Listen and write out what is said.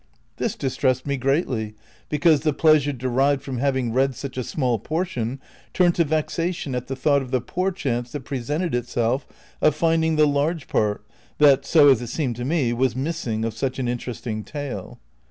This distressed me greatly, because the pleasure derived from having read such a small portion turned to vexation at the thought of the poor chance that presented itself of find ing the large part that, so it seemed to me, was missing of such an interesting tale.